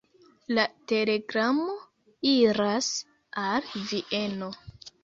La telegramo iras al Vieno.